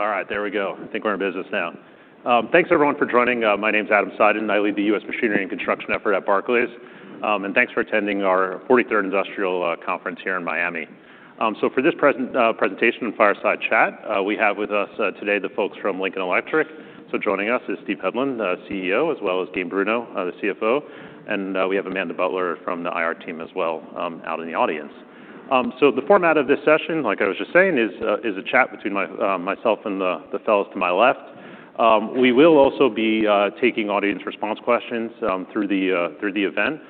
All right, there we go. I think we're in business now. Thanks everyone for joining us. My name's Adam Seiden, and I lead the U.S. Machinery and Construction effort at Barclays. Thanks for attending our 43rd Industrial Conference here in Miami. For this presentation and fireside chat, we have with us today the folks from Lincoln Electric. Joining us is Steve Hedlund, the CEO, as well as Gabe Bruno, the CFO, and we have Amanda Butler from the IR team as well, out in the audience. The format of this session, like I was just saying, is a chat between myself and the fellows to my left. We will also be taking audience response questions through the event.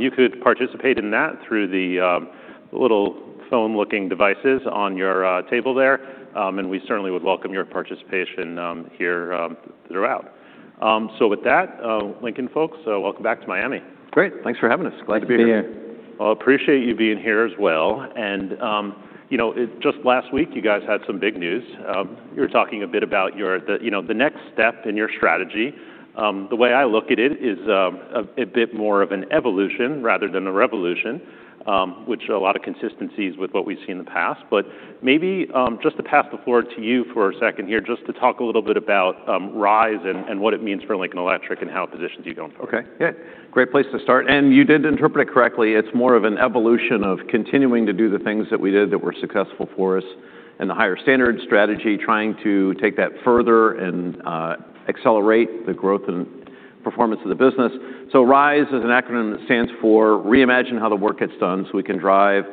You could participate in that through the little phone-looking devices on your table there, and we certainly would welcome your participation here throughout. So with that, Lincoln folks, welcome back to Miami. Great. Thanks for having us. Glad to be here. Well, appreciate you being here as well. You know, just last week, you guys had some big news. You were talking a bit about your, the, you know, the next step in your strategy. The way I look at it is, a, a bit more of an evolution rather than a revolution, which a lot of consistencies with what we've seen in the past. But maybe, just to pass the floor to you for a second here, just to talk a little bit about, RISE and, and what it means for Lincoln Electric and how it positions you going forward. Okay. Yeah, great place to start, and you did interpret it correctly. It's more of an evolution of continuing to do the things that we did that were successful for us, and the Higher Standard strategy, trying to take that further and accelerate the growth and performance of the business. So RISE is an acronym that stands for Reimagine how the work gets done so we can drive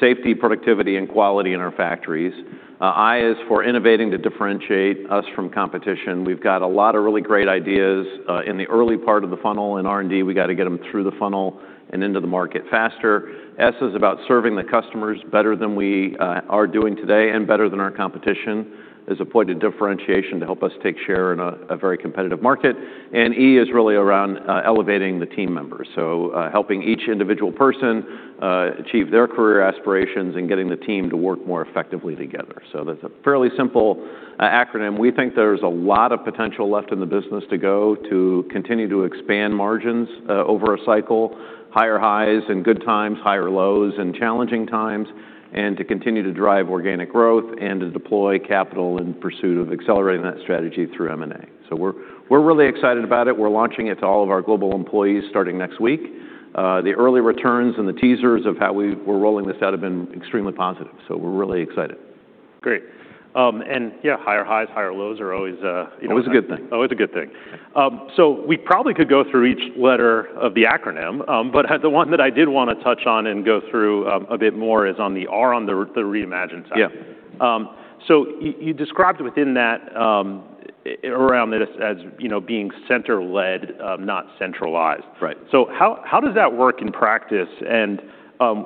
safety, productivity, and quality in our factories. I is for Innovating to differentiate us from competition. We've got a lot of really great ideas in the early part of the funnel in R&D. We gotta get them through the funnel and into the market faster. S is about Serving the customers better than we are doing today and better than our competition. There's a point of differentiation to help us take share in a very competitive market. E is really around Elevating the team members, so helping each individual person achieve their career aspirations and getting the team to work more effectively together. So that's a fairly simple acronym. We think there's a lot of potential left in the business to go to continue to expand margins over a cycle, higher highs in good times, higher lows in challenging times, and to continue to drive organic growth and to deploy capital in pursuit of accelerating that strategy through M&A. So we're, we're really excited about it. We're launching it to all of our global employees starting next week. The early returns and the teasers of how we're rolling this out have been extremely positive, so we're really excited. Great. Yeah, higher highs, higher lows are always, you know- Always a good thing. Always a good thing. So we probably could go through each letter of the acronym, but the one that I did wanna touch on and go through a bit more is on the R, on the Reimagine side. Yeah. So you described within that, around it as you know, being center-led, not centralized. Right. So how, how does that work in practice? And,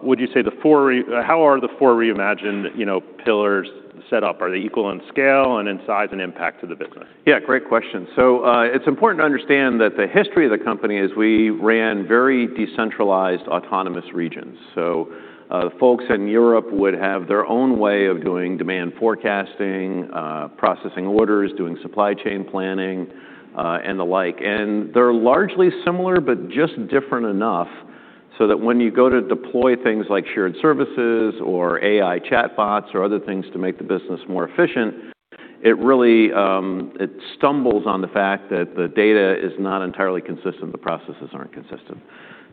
would you say the four, how are the four Reimagine, you know, pillars set up? Are they equal in scale and in size and impact to the business? Yeah, great question. So, it's important to understand that the history of the company is we ran very decentralized, autonomous regions. So, the folks in Europe would have their own way of doing demand forecasting, processing orders, doing supply chain planning, and the like. They're largely similar, but just different enough so that when you go to deploy things like shared services or AI chatbots or other things to make the business more efficient, it really, it stumbles on the fact that the data is not entirely consistent, the processes aren't consistent.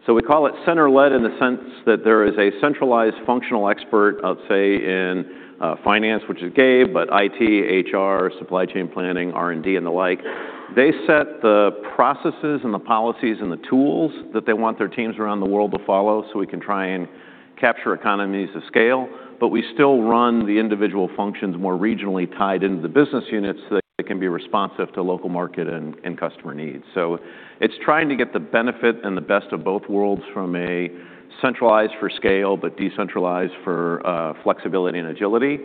So we call it center-led in the sense that there is a centralized functional expert of, say, in, finance, which is Gabe, but IT, HR, supply chain planning, R&D, and the like. They set the processes and the policies and the tools that they want their teams around the world to follow, so we can try and capture economies of scale, but we still run the individual functions more regionally tied into the business units, so that they can be responsive to local market and customer needs. So it's trying to get the benefit and the best of both worlds from a centralized for scale, but decentralized for flexibility and agility.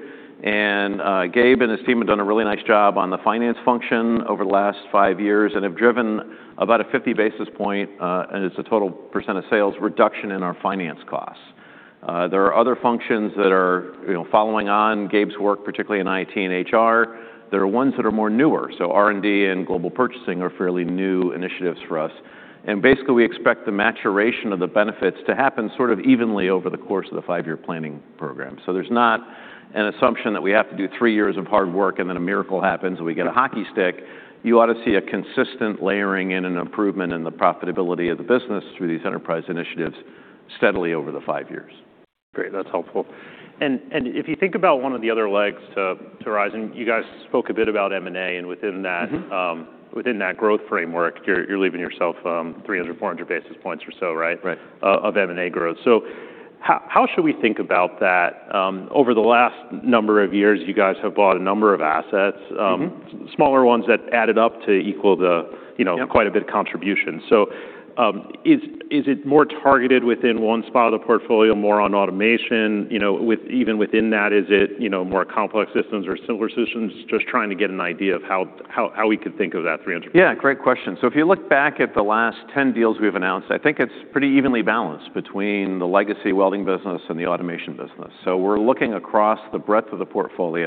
Gabe and his team have done a really nice job on the finance function over the last five years and have driven about a 50 basis point, and it's a total percent of sales reduction in our finance costs. There are other functions that are, you know, following on Gabe's work, particularly in IT and HR. There are ones that are more newer, so R&D and global purchasing are fairly new initiatives for us. Basically, we expect the maturation of the benefits to happen sort of evenly over the course of the five-year planning program. So there's not an assumption that we have to do three years of hard work, and then a miracle happens, and we get a hockey stick. You ought to see a consistent layering and an improvement in the profitability of the business through these enterprise initiatives steadily over the five years. Great, that's helpful. If you think about one of the other legs to RISE, and you guys spoke a bit about M&A, and within that- Mm-hmm... within that growth framework, you're leaving yourself 300-400 basis points or so, right? Right. Oh, of M&A growth. So how should we think about that? Over the last number of years, you guys have bought a number of assets- Mm-hmm... smaller ones that added up to equal the, you know- Yeah... quite a big contribution. So, is it more targeted within one spot of the portfolio, more on automation? You know, with even within that, is it, you know, more complex systems or similar systems? Just trying to get an idea of how we could think of that 300? Yeah, great question. So if you look back at the last 10 deals we've announced, I think it's pretty evenly balanced between the legacy welding business and the automation business. So we're looking across the breadth of the portfolio,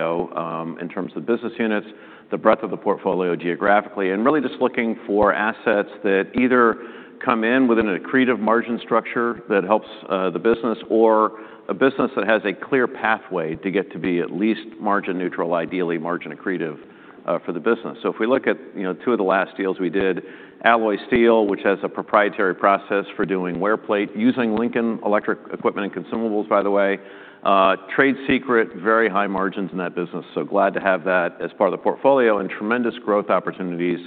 in terms of business units, the breadth of the portfolio geographically, and really just looking for assets that either come in with an accretive margin structure that helps the business, or a business that has a clear pathway to get to be at least margin neutral, ideally margin accretive, for the business. So if we look at, you know, two of the last deals we did, Alloy Steel, which has a proprietary process for doing wear plate, using Lincoln Electric equipment and consumables, by the way, trade secret, very high margins in that business, so glad to have that as part of the portfolio, and tremendous growth opportunities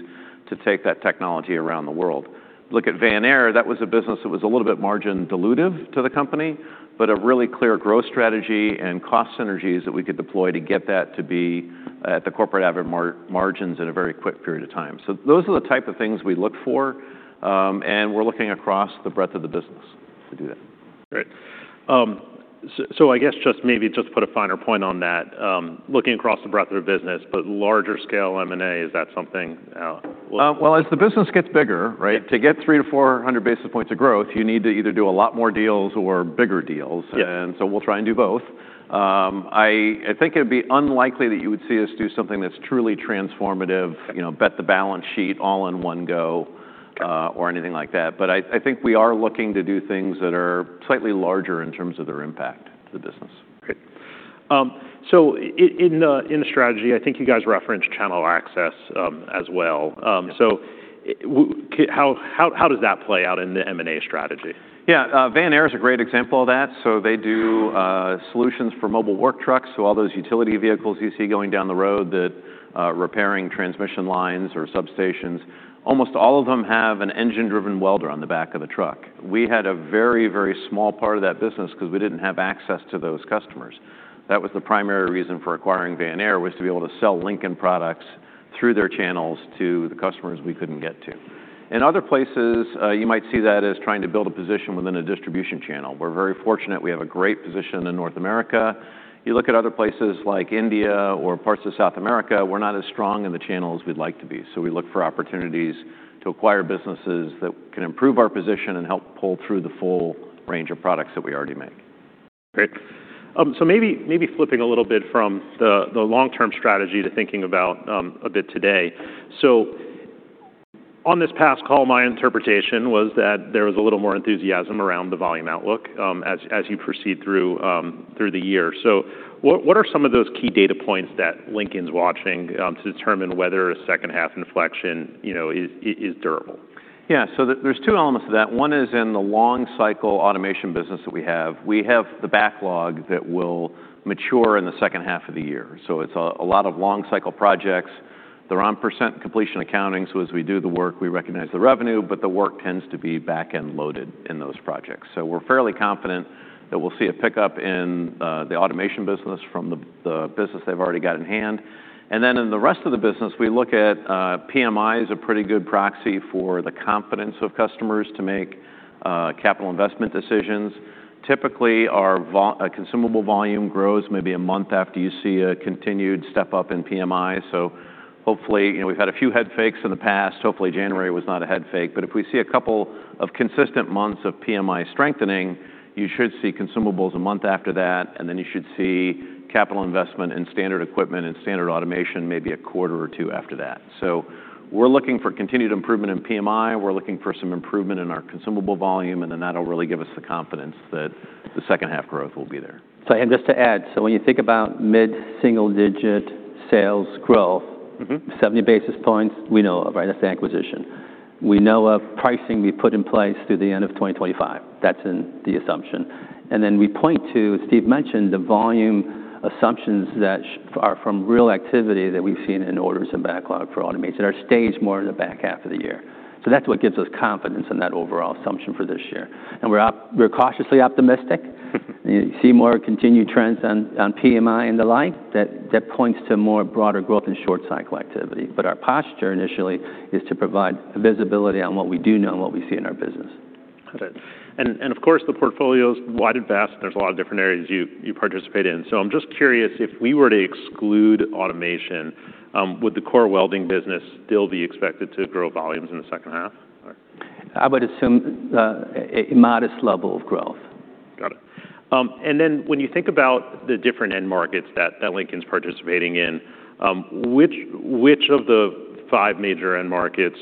to take that technology around the world. Look at Vanair, that was a business that was a little bit margin-dilutive to the company, but a really clear growth strategy and cost synergies that we could deploy to get that to be at the corporate average margins in a very quick period of time. So those are the type of things we look for, and we're looking across the breadth of the business to do that. Great. So, so I guess just maybe just to put a finer point on that, looking across the breadth of the business, but larger scale M&A, is that something, look- Well, as the business gets bigger, right, to get 300-400 basis points of growth, you need to either do a lot more deals or bigger deals. Yeah. We'll try and do both. I think it'd be unlikely that you would see us do something that's truly transformative, you know, bet the balance sheet all in one go, or anything like that. But I think we are looking to do things that are slightly larger in terms of their impact to the business. Great. So in the strategy, I think you guys referenced channel access, as well. So how does that play out in the M&A strategy? Yeah, Vanair is a great example of that. So they do solutions for mobile work trucks, so all those utility vehicles you see going down the road that repairing transmission lines or substations, almost all of them have an engine-driven welder on the back of the truck. We had a very, very small part of that business because we didn't have access to those customers. That was the primary reason for acquiring Vanair, was to be able to sell Lincoln products through their channels to the customers we couldn't get to. In other places, you might see that as trying to build a position within a distribution channel. We're very fortunate, we have a great position in North America. You look at other places like India or parts of South America, we're not as strong in the channel as we'd like to be. We look for opportunities to acquire businesses that can improve our position and help pull through the full range of products that we already make. Great. So maybe flipping a little bit from the long-term strategy to thinking about a bit today. On this past call, my interpretation was that there was a little more enthusiasm around the volume outlook as you proceed through the year. So what are some of those key data points that Lincoln's watching to determine whether a second half inflection, you know, is durable? Yeah, so there, there's two elements to that. One is in the long cycle automation business that we have. We have the backlog that will mature in the second half of the year. So it's a lot of long cycle projects. They're on percent completion accounting, so as we do the work, we recognize the revenue, but the work tends to be back-end loaded in those projects. So we're fairly confident that we'll see a pickup in the automation business from the business they've already got in hand. Then in the rest of the business, we look at PMI is a pretty good proxy for the confidence of customers to make capital investment decisions. Typically, our consumable volume grows maybe a month after you see a continued step-up in PMI. So hopefully, you know, we've had a few head fakes in the past. Hopefully, January was not a head fake. But if we see a couple of consistent months of PMI strengthening, you should see consumables a month after that, and then you should see capital investment in standard equipment and standard automation maybe a quarter or two after that. So we're looking for continued improvement in PMI, we're looking for some improvement in our consumable volume, and then that'll really give us the confidence that the second half growth will be there. So, and just to add, so when you think about mid-single-digit sales growth- Mm-hmm. 70 basis points, we know of, right? That's the acquisition. We know of pricing we put in place through the end of 2025. That's in the assumption. Then we point to, Steve mentioned, the volume assumptions that are from real activity that we've seen in orders and backlog for automation, are staged more in the back half of the year. So that's what gives us confidence in that overall assumption for this year. We're cautiously optimistic. You see more continued trends on, on PMI and the like, that, that points to more broader growth in short cycle activity. But our posture initially is to provide visibility on what we do know and what we see in our business. Got it. Of course, the portfolio's wide and vast, there's a lot of different areas you participate in. So I'm just curious, if we were to exclude automation, would the core welding business still be expected to grow volumes in the second half? I would assume, a modest level of growth. Got it. Then when you think about the different end markets that Lincoln's participating in, which of the five major end markets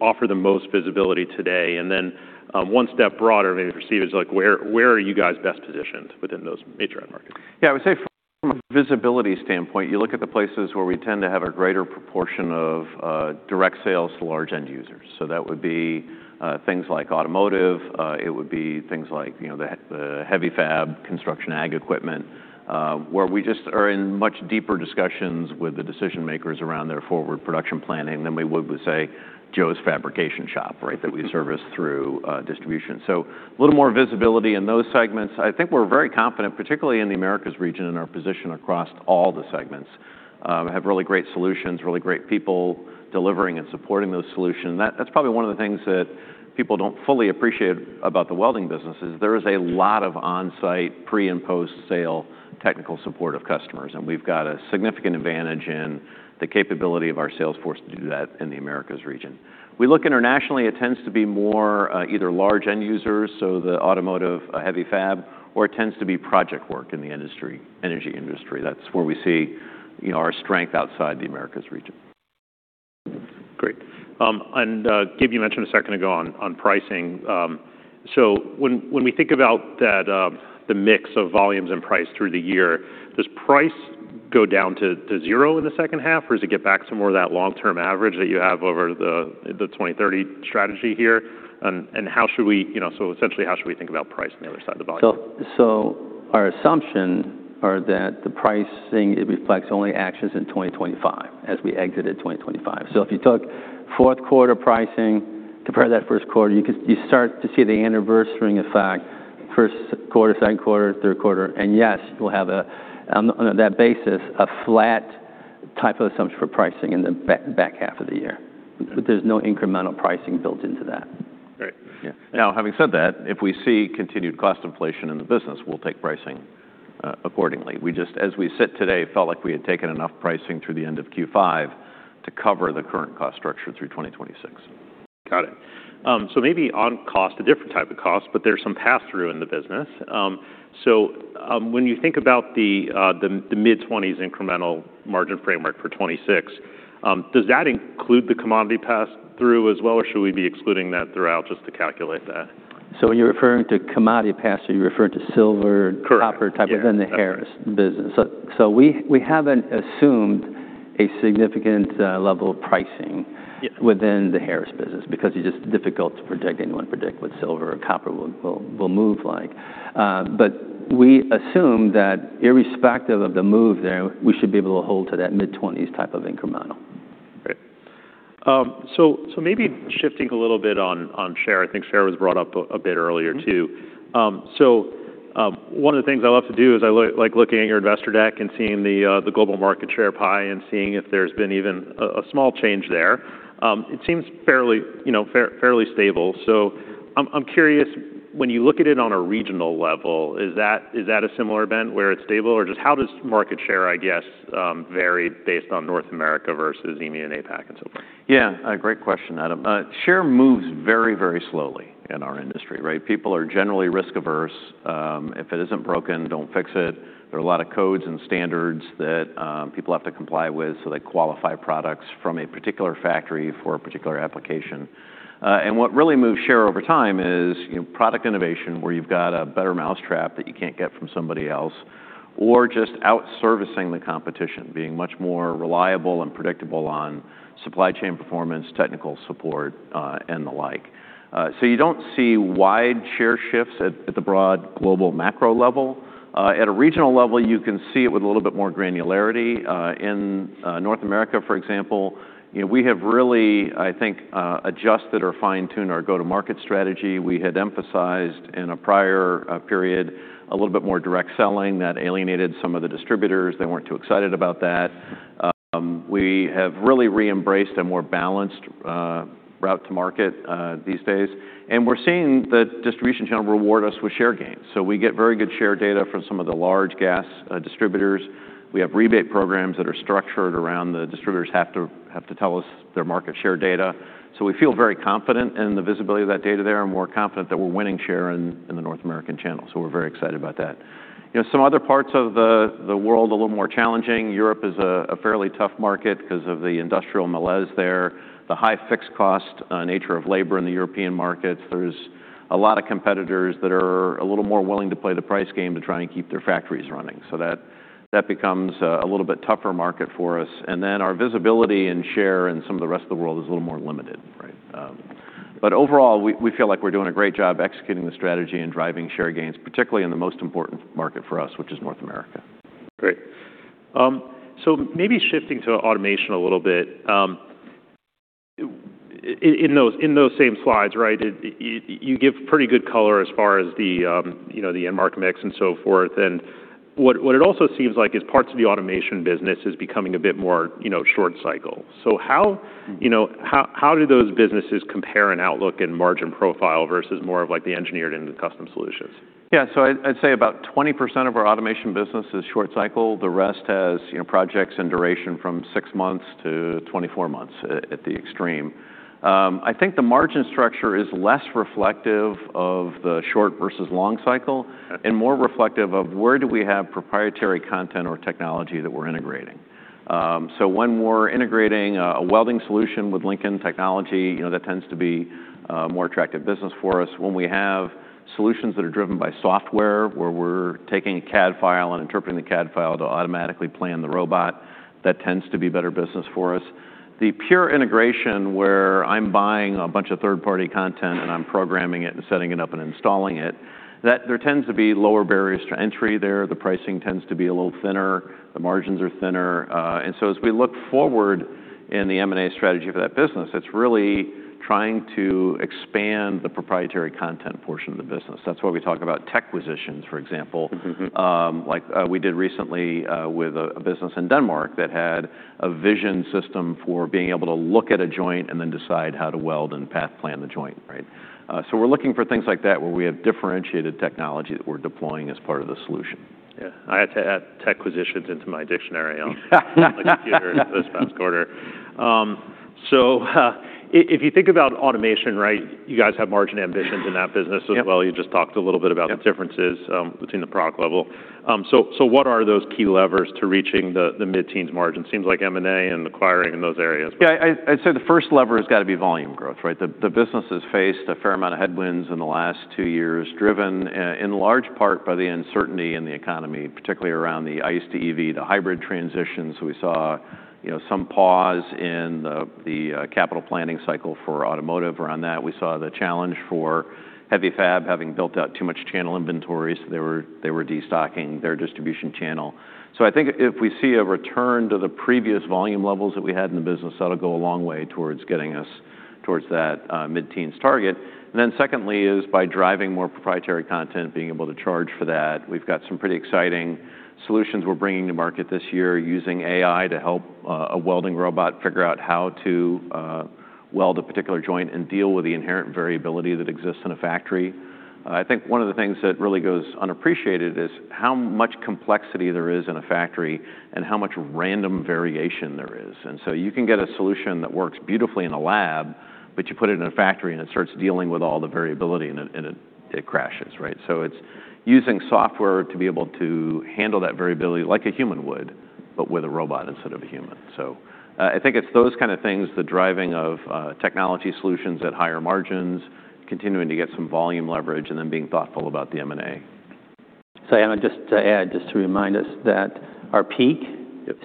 offer the most visibility today? Then, one step broader, maybe for Steve, is like, where are you guys best positioned within those major end markets? Yeah, I would say from a visibility standpoint, you look at the places where we tend to have a greater proportion of direct sales to large end users. So that would be things like automotive, it would be things like, you know, the heavy fab, construction, ag equipment, where we just are in much deeper discussions with the decision-makers around their forward production planning than we would with, say, Joe's Fabrication Shop, right? That we service through distribution. So a little more visibility in those segments. I think we're very confident, particularly in the Americas region, and our position across all the segments. We have really great solutions, really great people delivering and supporting those solutions. That's probably one of the things that people don't fully appreciate about the welding business: there is a lot of on-site, pre- and post-sale technical support of customers, and we've got a significant advantage in the capability of our sales force to do that in the Americas region. We look internationally, it tends to be more, either large end users, so the automotive, heavy fab, or it tends to be project work in the energy industry. That's where we see, you know, our strength outside the Americas region. ... Great. Gabe, you mentioned a second ago on pricing. So when we think about that, the mix of volumes and price through the year, does price go down to zero in the second half, or does it get back to more of that long-term average that you have over the 20-30 strategy here? How should we, you know, so essentially, how should we think about price on the other side of the volume? So, our assumption are that the pricing, it reflects only actions in 2025, as we exited 2025. So if you took fourth quarter pricing, compare that first quarter, you start to see the anniversarying effect, first quarter, second quarter, third quarter and yes, we'll have, on that basis, a flat type of assumption for pricing in the back half of the year. But there's no incremental pricing built into that. Great. Yeah. Now, having said that, if we see continued cost inflation in the business, we'll take pricing accordingly. We just, as we sit today, felt like we had taken enough pricing through the end of 2025 to cover the current cost structure through 2026. Got it. So maybe on cost, a different type of cost, but there's some pass-through in the business. So, when you think about the mid-20s incremental margin framework for 2026, does that include the commodity pass-through as well, or should we be excluding that throughout just to calculate that? When you're referring to commodity pass, are you referring to silver? Correct ...copper type within the Harris business? So, we haven't assumed a significant level of pricing- Yeah Within the Harris business because it's just difficult to predict. Anyone predict what silver or copper will move like. But we assume that irrespective of the move there, we should be able to hold to that mid-twenties type of incremental. Great. So maybe shifting a little bit on share. I think share was brought up a bit earlier, too. Mm-hmm. So, one of the things I love to do is I look—like looking at your investor deck and seeing the, the global market share pie and seeing if there's been even a, a small change there. It seems fairly, you know, fairly stable. So I'm curious, when you look at it on a regional level, is that a similar event where it's stable, or just how does market share, I guess, vary based on North America versus EMEA and APAC and so forth? Yeah, a great question, Adam. Share moves very, very slowly in our industry, right? People are generally risk-averse. If it isn't broken, don't fix it. There are a lot of codes and standards that people have to comply with, so they qualify products from a particular factory for a particular application. What really moves share over time is, you know, product innovation, where you've got a better mousetrap that you can't get from somebody else, or just out-servicing the competition, being much more reliable and predictable on supply chain performance, technical support, and the like. So you don't see wide share shifts at the broad global macro level. At a regional level, you can see it with a little bit more granularity. In North America, for example, you know, we have really, I think, adjusted or fine-tuned our go-to-market strategy. We had emphasized in a prior period, a little bit more direct selling that alienated some of the distributors. They weren't too excited about that. We have really re-embraced a more balanced route to market these days, and we're seeing the distribution channel reward us with share gains. So we get very good share data from some of the large gas distributors. We have rebate programs that are structured around the distributors have to tell us their market share data. So we feel very confident in the visibility of that data there, and more confident that we're winning share in the North American channel. So we're very excited about that. You know, some other parts of the world a little more challenging. Europe is a fairly tough market because of the industrial malaise there, the high fixed cost nature of labor in the European markets. There's a lot of competitors that are a little more willing to play the price game to try and keep their factories running. So that becomes a little bit tougher market for us. Then our visibility and share in some of the rest of the world is a little more limited, right? But overall, we feel like we're doing a great job executing the strategy and driving share gains, particularly in the most important market for us, which is North America. Great. So maybe shifting to automation a little bit. In those same slides, right, you give pretty good color as far as the, you know, the end market mix and so forth. What it also seems like is parts of the automation business is becoming a bit more, you know, short cycle. So how- Mm-hmm... you know, how do those businesses compare in outlook and margin profile versus more of like the engineered into custom solutions? Yeah, so I'd, I'd say about 20% of our automation business is short cycle. The rest has, you know, projects and duration from 6 months to 24 months at, at the extreme. I think the margin structure is less reflective of the short versus long cycle- Okay... and more reflective of where do we have proprietary content or technology that we're integrating. So when we're integrating a welding solution with Lincoln technology, you know, that tends to be a more attractive business for us. When we have solutions that are driven by software, where we're taking a CAD file and interpreting the CAD file to automatically plan the robot, that tends to be better business for us. The pure integration, where I'm buying a bunch of third-party content, and I'm programming it and setting it up and installing it, there tends to be lower barriers to entry there. The pricing tends to be a little thinner. The margins are thinner. So as we look forward in the M&A strategy for that business, it's really trying to expand the proprietary content portion of the business. That's why we talk about tech acquisitions, for example- Mm-hmm, mm-hmm... like, we did recently with a business in Denmark that had a vision system for being able to look at a joint and then decide how to weld and path plan the joint, right? So we're looking for things like that, where we have differentiated technology that we're deploying as part of the solution. Yeah, I had to add tech acquisitions into my dictionary on my computer this past quarter. So, if you think about automation, right, you guys have margin ambitions in that business as well. Yep. You just talked a little bit about- Yep The differences between the product level. So, what are those key levers to reaching the mid-teens margin? Seems like M&A and acquiring in those areas. Yeah, I'd say the first lever has got to be volume growth, right? The business has faced a fair amount of headwinds in the last two years, driven in large part by the uncertainty in the economy, particularly around the ICE to EV, the hybrid transitions. We saw, you know, some pause in the capital planning cycle for automotive around that. We saw the challenge for heavy fab, having built out too much channel inventories. They were destocking their distribution channel. So I think if we see a return to the previous volume levels that we had in the business, that'll go a long way towards getting us towards that mid-teens target. Then secondly is by driving more proprietary content, being able to charge for that. We've got some pretty exciting solutions we're bringing to market this year, using AI to help a welding robot figure out how to weld a particular joint and deal with the inherent variability that exists in a factory. I think one of the things that really goes unappreciated is how much complexity there is in a factory and how much random variation there is. So you can get a solution that works beautifully in a lab, but you put it in a factory, and it starts dealing with all the variability, and it crashes, right? So it's using software to be able to handle that variability like a human would, but with a robot instead of a human. I think it's those kind of things, the driving of technology solutions at higher margins, continuing to get some volume leverage, and then being thoughtful about the M&A. So, and just to add, just to remind us that our peak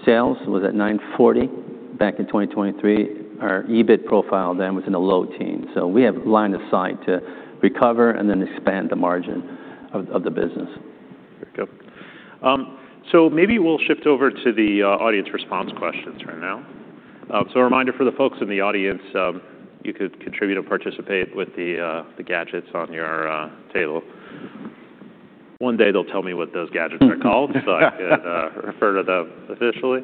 sales was at $940 back in 2023. Our EBIT profile then was in the low teens%. So we have line of sight to recover and then expand the margin of the business. Very good. So maybe we'll shift over to the audience response questions right now. So a reminder for the folks in the audience, you could contribute or participate with the gadgets on your table. One day, they'll tell me what those gadgets are called so I could refer to them officially.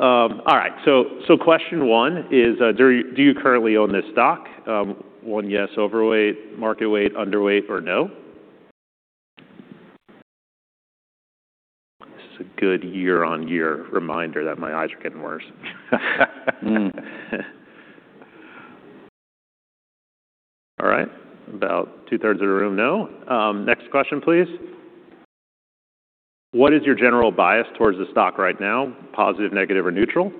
All right, so question one is, do you currently own this stock? One, yes, overweight, market weight, underweight, or no? This is a good year-on-year reminder that my eyes are getting worse. Mm. All right, about two-thirds of the room, no. Next question, please. What is your general bias towards the room right now? Positive, negative, or neutral?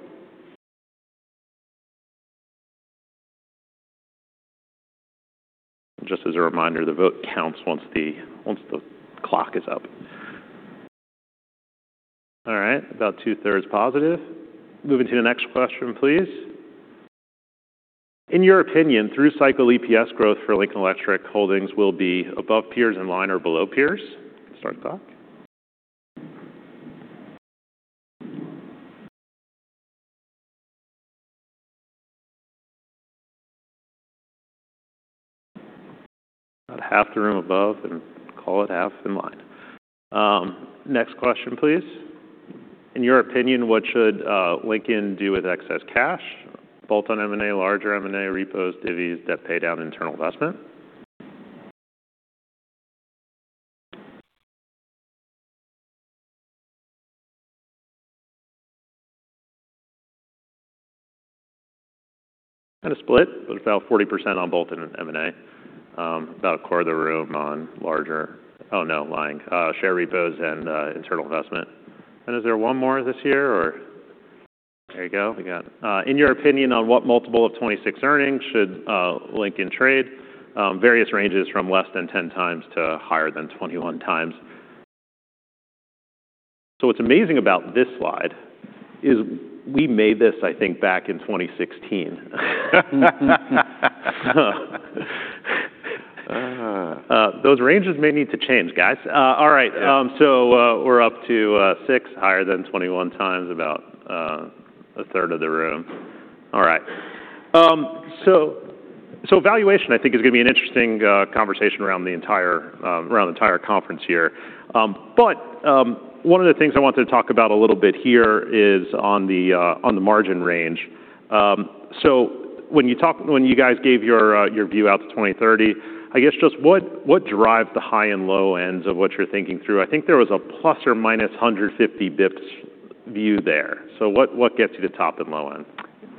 Just as a reminder, the vote counts once the clock is up. All right, about two-thirds positive. Moving to the next question, please. In your opinion, through cycle EPS growth for Lincoln Electric Holdings will be above peers, in line, or below peers? Start the clock. About half the room above, and call it half in line. Next question, please. In your opinion, what should Lincoln do with excess cash? Bolt-on M&A, larger M&A, repos, dividends, debt pay down, internal investment. Kind of split, but about 40% on bolt on M&A. About a quarter of the room on larger M&A, share repos and internal investment. And is there one more this year, or...? There you go. We got, in your opinion, on what multiple of 26 earnings should, Lincoln trade? Various ranges from less than 10 times to higher than 21 times. So what's amazing about this slide is we made this, I think, back in 2016. Ah. Those ranges may need to change, guys. All right. Yeah. So, we're up to six, higher than 21 times, about a third of the room. All right. So, valuation, I think, is going to be an interesting conversation around the entire conference here. But, one of the things I wanted to talk about a little bit here is on the margin range. So when you talk—when you guys gave your view out to 2030, I guess just what drives the high and low ends of what you're thinking through? I think there was a ±150 basis points view there. So what gets you to top and low end?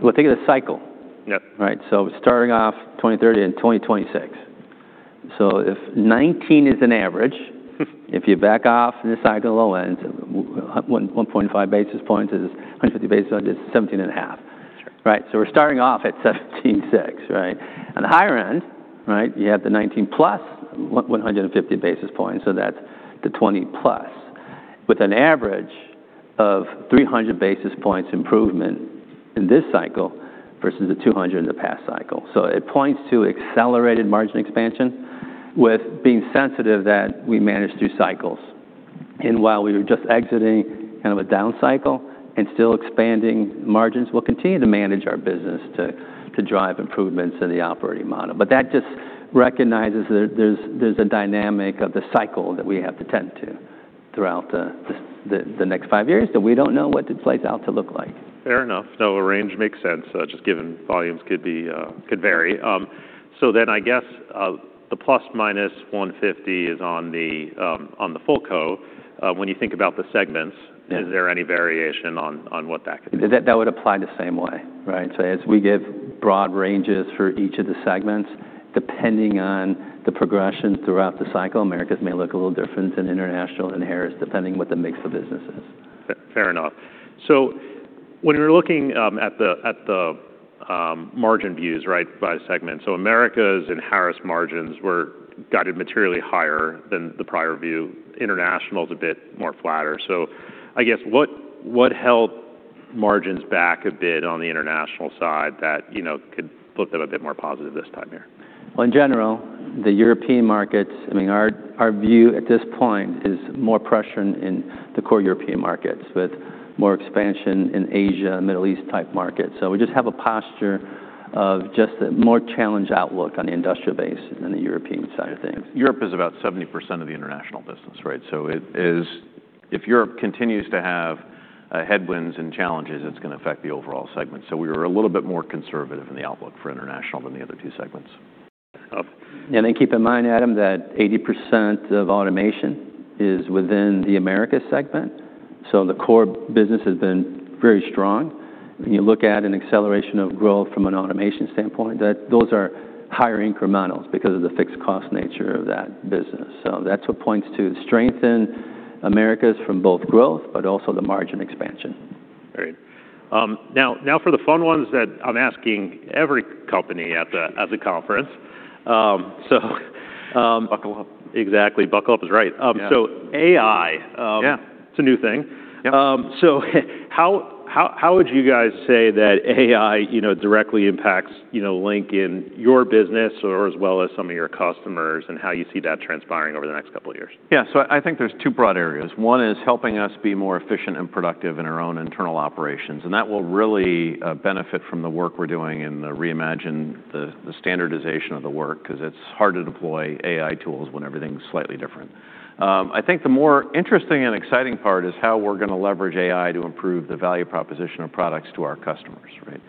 Well, think of the cycle. Yep. Right? So starting off 2030 and 2026. So if 19 is an average—if you back off the cycle, low end, one, 1.5 basis points is 150 basis points is 17.5. Sure. Right? So we're starting off at 17.6, right? On the higher end, right, you have the 19 + 150 basis points, so that's the 20+, with an average of 300 basis points improvement in this cycle versus the 200 in the past cycle. So it points to accelerated margin expansion, with being sensitive that we manage through cycles. While we were just exiting kind of a down cycle and still expanding margins, we'll continue to manage our business to drive improvements in the operating model. But that just recognizes that there's a dynamic of the cycle that we have to tend to throughout the next 5 years, that we don't know what it plays out to look like. Fair enough. No, a range makes sense, just given volumes could vary. So then I guess, the ±150 is on the full code. When you think about the segments- Yeah. Is there any variation on what that could be? That would apply the same way, right? So as we give broad ranges for each of the segments, depending on the progression throughout the cycle, Americas may look a little different than International and Harris, depending what the mix of business is. Fair enough. So when we're looking at the margin views, right, by segment, so Americas and Harris margins were guided materially higher than the prior view. International's a bit more flatter. So I guess, what held margins back a bit on the international side that, you know, could look a bit more positive this time here? Well, in general, the European markets, I mean, our view at this point is more pressure in the core European markets, with more expansion in Asia, Middle East-type markets. So we just have a posture of just a more challenged outlook on the industrial base than the European side of things. Europe is about 70% of the international business, right? So it is, if Europe continues to have headwinds and challenges, it's gonna affect the overall segment. So we were a little bit more conservative in the outlook for international than the other two segments. Oh. Then keep in mind, Adam, that 80% of automation is within the Americas segment, so the core business has been very strong. When you look at an acceleration of growth from an automation standpoint, that those are higher incrementals because of the fixed cost nature of that business. So that's what points to strength in Americas from both growth, but also the margin expansion. Great. Now for the fun ones that I'm asking every company at the conference. So, Buckle up. Exactly, buckle up is right. Yeah. So, AI. Yeah. It's a new thing. Yep. So how would you guys say that AI, you know, directly impacts, you know, Lincoln, your business or as well as some of your customers, and how you see that transpiring over the next couple of years? Yeah, so I think there's two broad areas. One is helping us be more efficient and productive in our own internal operations, and that will really benefit from the work we're doing in the Reimagine the standardization of the work, 'cause it's hard to deploy AI tools when everything's slightly different. I think the more interesting and exciting part is how we're gonna leverage AI to improve the value proposition of products to our customers, right?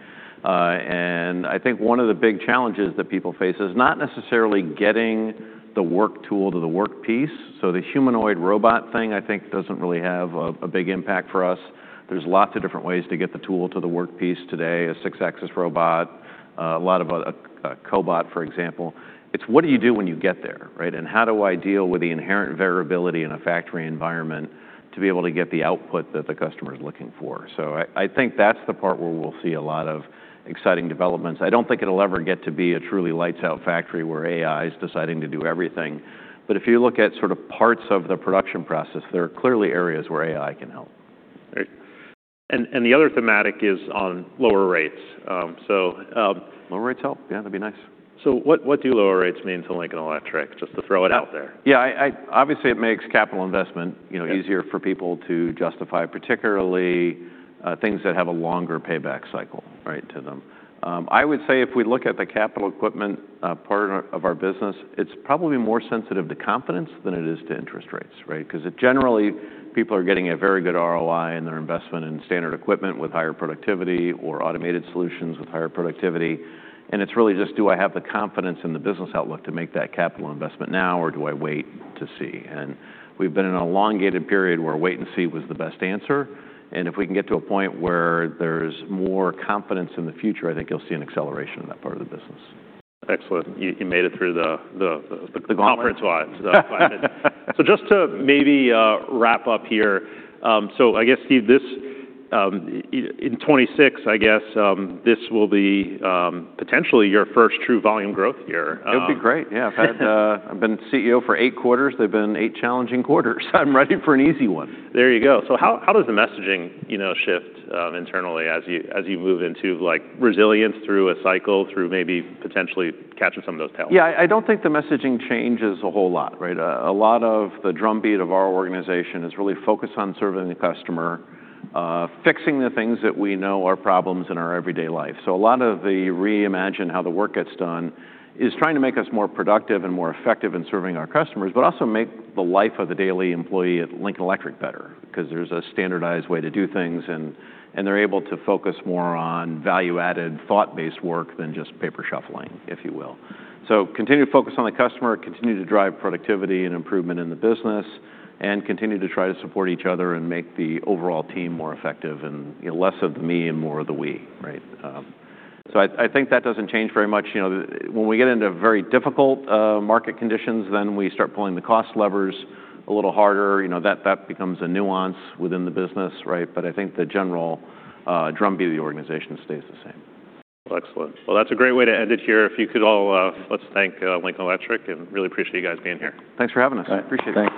I think one of the big challenges that people face is not necessarily getting the work tool to the work piece. So the humanoid robot thing, I think, doesn't really have a big impact for us. There's lots of different ways to get the tool to the work piece today, a six-axis robot, a cobot, for example. It's what do you do when you get there, right? How do I deal with the inherent variability in a factory environment to be able to get the output that the customer is looking for? I, I think that's the part where we'll see a lot of exciting developments. I don't think it'll ever get to be a truly lights-out factory, where AI is deciding to do everything. If you look at sort of parts of the production process, there are clearly areas where AI can help. Great. The other thematic is on lower rates. Lower rates help? Yeah, that'd be nice. So what do lower rates mean to Lincoln Electric, just to throw it out there? Yeah, I obviously, it makes capital investment, you know- Yeah... easier for people to justify, particularly, things that have a longer payback cycle, right, to them. I would say if we look at the capital equipment, part of our business, it's probably more sensitive to confidence than it is to interest rates, right? 'Cause it generally, people are getting a very good ROI in their investment in standard equipment with higher productivity or automated solutions with higher productivity, and it's really just, do I have the confidence in the business outlook to make that capital investment now, or do I wait to see? We've been in an elongated period where wait and see was the best answer, and if we can get to a point where there's more confidence in the future, I think you'll see an acceleration in that part of the business. Excellent. You made it through the. The gauntlet? conference wide. So just to maybe wrap up here, so I guess, Steve, this in 2026, I guess, this will be potentially your first true volume growth year. It'll be great, yeah. I've been CEO for 8 quarters, they've been 8 challenging quarters. I'm ready for an easy one. There you go. So how does the messaging, you know, shift internally, as you move into, like, resilience through a cycle, through maybe potentially catching some of those tails? Yeah, I don't think the messaging changes a whole lot, right? A lot of the drumbeat of our organization is really focused on serving the customer, fixing the things that we know are problems in our everyday life. So a lot of the Reimagine how the work gets done is trying to make us more productive and more effective in serving our customers, but also make the life of the daily employee at Lincoln Electric better. 'Cause there's a standardized way to do things, and they're able to focus more on value-added, thought-based work than just paper shuffling, if you will. So continue to focus on the customer, continue to drive productivity and improvement in the business, and continue to try to support each other and make the overall team more effective, and, you know, less of the me and more of the we, right? So I think that doesn't change very much. You know, when we get into very difficult market conditions, then we start pulling the cost levers a little harder. You know, that becomes a nuance within the business, right? But I think the general drumbeat of the organization stays the same. Excellent. Well, that's a great way to end it here. If you could all, let's thank Lincoln Electric, and really appreciate you guys being here. Thanks for having us. All right. Appreciate it. Thank you.